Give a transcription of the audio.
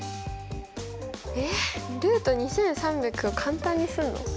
えっルート２３００を簡単にするの？